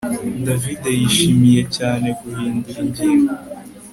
David yishimiye cyane guhindura ingingo